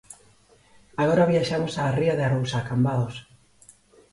Agora viaxamos á ría de Arousa, a Cambados.